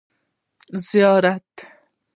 زيارت